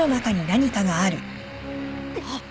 あっ！